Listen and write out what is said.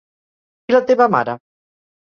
I la teva mare?